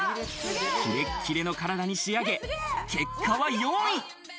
キレキレの体に仕上げ、結果は４位。